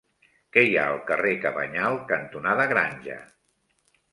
Què hi ha al carrer Cabanyal cantonada Granja?